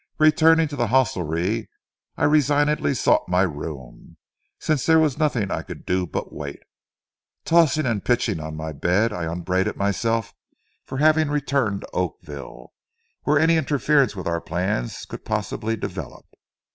Returning to the hostelry, I resignedly sought my room, since there was nothing I could do but wait. Tossing and pitching on my bed, I upbraided myself for having returned to Oakville, where any interference with our plans could possibly develop.